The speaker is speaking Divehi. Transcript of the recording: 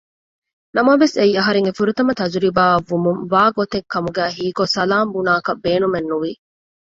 ނަމަވެސް އެއީ އަހަރެންގެ ފުރަތަމަ ތަޖުރިބާއަށްވުމުން ވާގޮތެއް ކަމުގައި ހީކޮށް ސަލާން ބުނާކަށް ބޭނުމެއްނުވި